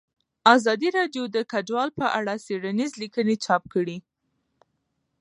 ازادي راډیو د کډوال په اړه څېړنیزې لیکنې چاپ کړي.